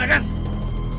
aku mau pergi